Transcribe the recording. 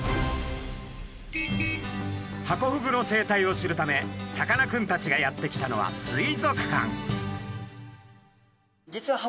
ハコフグの生態を知るためさかなクンたちがやって来たのは水族館。